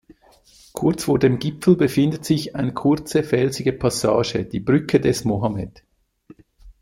Kurz vor dem Gipfel befindet sich eine kurze felsige Passage, die "Brücke des Mohammed".